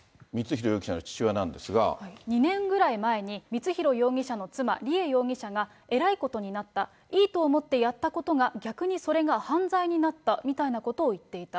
２年ぐらい前に、光弘容疑者の妻、梨恵容疑者がえらいことになった、いいと思ってやったことが、逆にそれが犯罪になったみたいなことを言っていた。